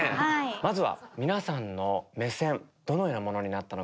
まずは皆さんの目線どのようなものになったのか。